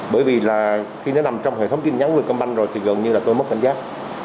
bởi vì là khi nó nằm trong hệ thống tin nhắn vietcomban rồi thì gần như là tôi mất cảnh giác